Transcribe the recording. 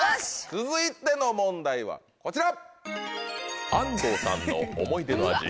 続いての問題はこちら。